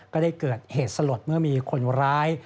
ก็ได้เกิดเหตุสลดเมื่อมีคนร้าย